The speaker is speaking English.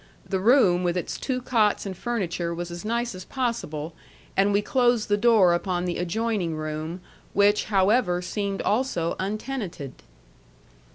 The room with its two cots and furniture was as nice as possible; and we closed the door upon the adjoining room, which, however, seemed also untenanted.